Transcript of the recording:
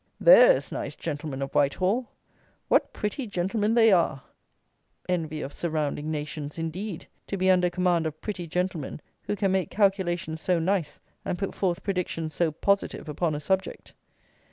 There's nice gentlemen of Whitehall! What pretty gentlemen they are! "Envy of surrounding nations," indeed, to be under command of pretty gentlemen who can make calculations so nice, and put forth predictions so positive upon such a subject!